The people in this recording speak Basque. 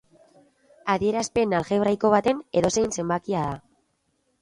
Adierazpen aljebraiko baten edozein zenbakia da.